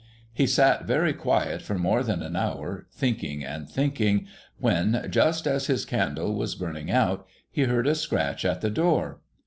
He sat very quiet for more than an hour, thinking and thinking, when, just as his candle was burning out, he heard a scratch at the door.